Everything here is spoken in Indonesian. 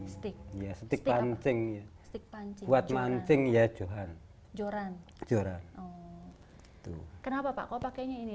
stick stick pancing stick pancing buat mancing ya johan joran joran itu kenapa pak kok pakainya ini